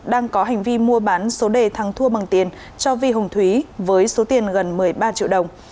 đang có hành vi mua bán số đề thắng thua bằng tiền cho vi hùng thúy với số tiền gần một mươi ba triệu đồng